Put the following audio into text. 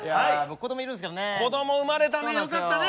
子供産まれたねよかったね！